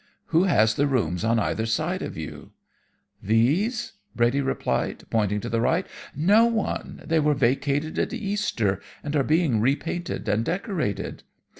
Who has the rooms on either side of you?' "'These?' Brady replied, pointing to the right. 'No one. They were vacated at Easter, and are being repainted and decorated.